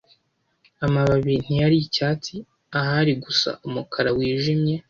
Amababi ntiyari icyatsi ahari gusa umukara wijimye